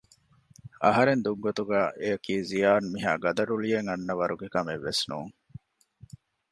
އަހަރެން ދުށްގޮތުގައި އެޔަކީ ޒިޔާން މިހާ ގަދަ ރުޅިއެއް އަންނަ ވަރުގެ ކަމެއް ވެސް ނޫން